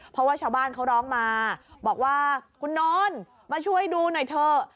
เพราะว่าชาวบ้านเขาร้องมาบอกว่าคุณนอนมาช่วยดูหน่อยเถอะ